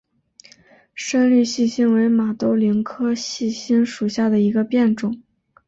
深绿细辛为马兜铃科细辛属下的一个变种。